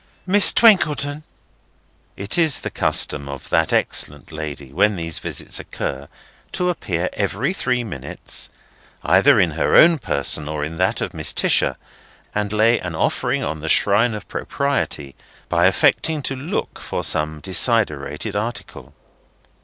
—Miss Twinkleton." It is the custom of that excellent lady when these visits occur, to appear every three minutes, either in her own person or in that of Mrs. Tisher, and lay an offering on the shrine of Propriety by affecting to look for some desiderated article.